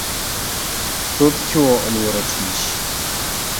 Thoth chuo oluoro tich